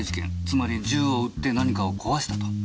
つまり銃を撃って何かを壊したと。